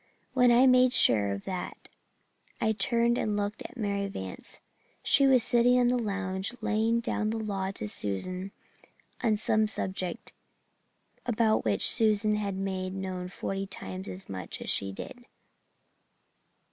When I made sure of that I turned and looked at Mary Vance. She was sitting on the lounge laying down the law to Susan on some subject about which Susan must have known forty times as much as she did.